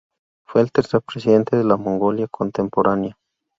Fue el tercer presidente de la Mongolia contemporánea.